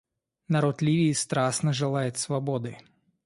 Народ Ливии страстно желает свободы.